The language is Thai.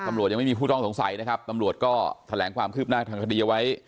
ยังไม่มีผู้ต้องสงสัยนะครับตำรวจก็แถลงความคืบหน้าทางคดีเอาไว้